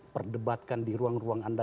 perdebatkan di ruang ruang anda